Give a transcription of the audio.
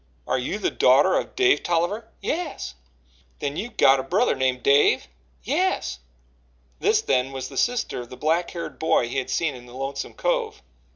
"Are you the daughter of Dave Tolliver?" "Yes." "Then you've got a brother named Dave?" "Yes." This, then, was the sister of the black haired boy he had seen in the Lonesome Cove.